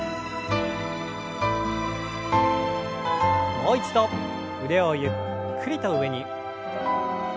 もう一度腕をゆっくりと上に。